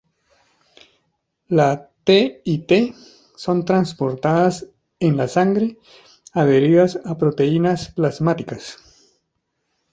La T y T son transportadas en la sangre, adheridas a proteínas plasmáticas.